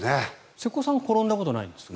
瀬古さんは転んだことあるんですか？